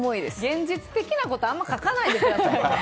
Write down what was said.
現実的なことをあまり書かないでくださいよ。